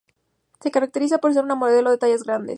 Se caracteriza por ser una modelo de tallas grandes.